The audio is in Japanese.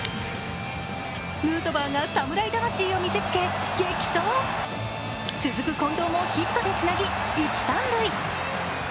ヌートバーが侍魂を見せつけ、激走続く近藤もヒットでつなぎ一・三塁。